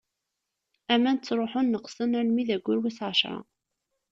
Aman ttṛuḥun neqqsen armi d aggur wis ɛecṛa.